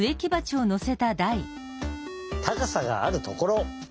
たかさがあるところ！